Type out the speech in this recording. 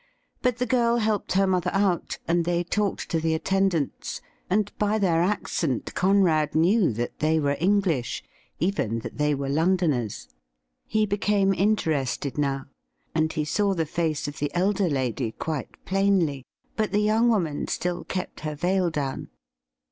But the girl helped her mother out, and they talked to the attendants, and by their accent Conrad knew that they were English — even that they were Londoners. He became interested now, and he saw the face of the elder lady quite plainly, but the young woman still kept her veil down.